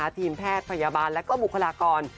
ทีมแพทย์พยาบาลและบุคลากร